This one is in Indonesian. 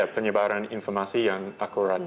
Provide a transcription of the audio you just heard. penyebaran informasi yang akurat